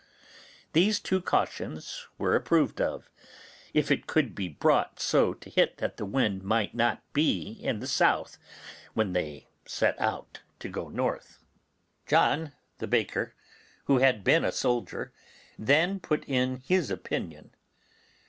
These two cautions were approved of, if it could be brought so to hit that the wind might not be in the south when they set out to go north. John the baker, who had been a soldier, then put in his opinion.